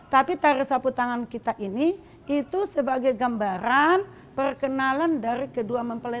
tapi tari sapu tangan kita ini itu sebagai gambaran perkenalan dari kedua mempelai